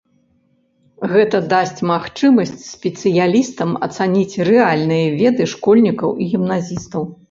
Гэта дасць магчымасць спецыялістам ацаніць рэальныя веды школьнікаў і гімназістаў.